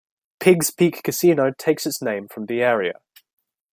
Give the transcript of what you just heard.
Piggs Peak Casino takes its name from the area.